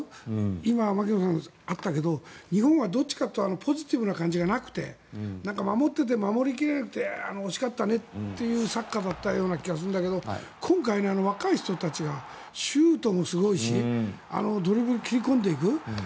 今、槙野さんからあったけど日本はどっちかというとポジティブな感じがなくて守っていて守り切れなくて惜しかったねっていうサッカーだったような気がするんだけど今回、若い人たちがシュートもすごいしドリブル、切り込んでいく。